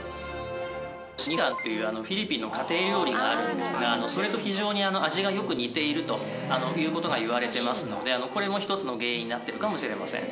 シニガンっていうフィリピンの家庭料理があるんですがそれと非常に味がよく似ているという事がいわれてますのでこれも一つの原因になってるかもしれません。